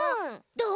どう？